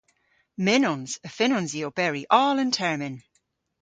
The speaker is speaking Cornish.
Mynnons. Y fynnons i oberi oll an termyn.